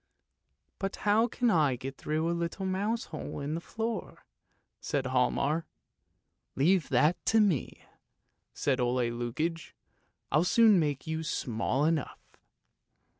" But how can I get through a little mouse hole in the floor? " said Hialmar. " Leave that to me," said Ole Lukoie; " I'll soon make you small enough!